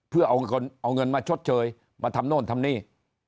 เพื่อเอาเงินมาชดเชยมาทำโน่นทำนี่